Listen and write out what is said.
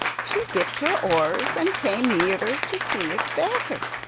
She dipped her oars, and came nearer to see it the better.